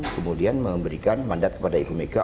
kemudian memberikan mandat kepada ibu mega